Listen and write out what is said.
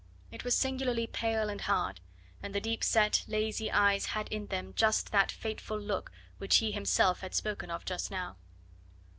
It was singularly pale and hard, and the deep set lazy eyes had in them just that fateful look which he himself had spoken of just now.